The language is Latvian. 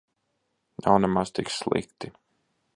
Nav nemaz tik slikti.